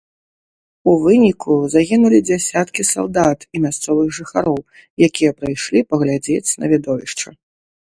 У выніку загінулі дзясяткі салдат і мясцовых жыхароў, якія прыйшлі паглядзець на відовішча.